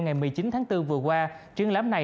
ngày một mươi chín tháng bốn vừa qua triển lãm này